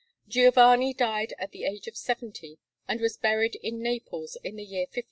Giovanni died at the age of seventy, and was buried in Naples, in the year 1558.